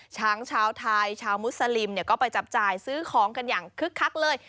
ชาวไทยชาวมุสลิมก็ไปจับจ่ายซื้อของกันอย่างคึกคักเลย